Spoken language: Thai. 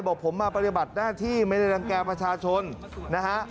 บอกผมมาปฏิบัติหน้าที่ไม่ได้รังแก่ประชาชนนะฮะ